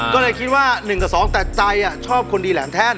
ก็เลยคิดว่า๑กับ๒แต่ใจชอบคนดีแหลมแท่น